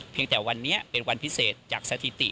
แต่วันนี้เป็นวันพิเศษจากสถิติ